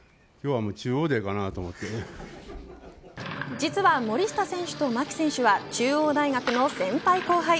実は森下選手と牧選手は中央大学の先輩後輩。